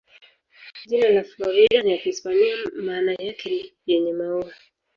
Jina la Florida ni ya Kihispania, maana yake ni "yenye maua".